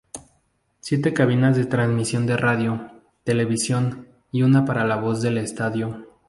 Siete cabinas de transmisión de radio, televisión y una para la voz del estadio.